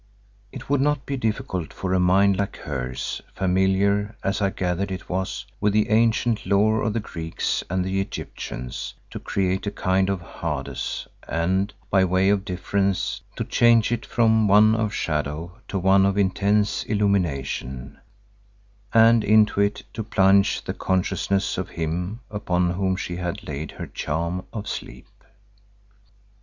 It would not be difficult for a mind like hers familiar, as I gathered it was, with the ancient lore of the Greeks and the Egyptians, to create a kind of Hades and, by way of difference, to change it from one of shadow to one of intense illumination, and into it to plunge the consciousness of him upon whom she had laid her charm of sleep.